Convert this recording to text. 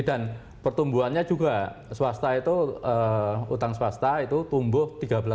dan pertumbuhannya juga swasta itu utang swasta itu tumbuh tiga belas